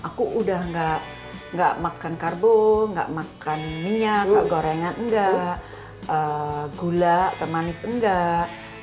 iya aku sudah tidak makan karbo tidak makan minyak tidak goreng tidak makan gula atau manis tidak